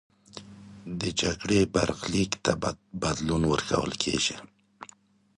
د جګړې برخلیک بدلون ورکول کېږي.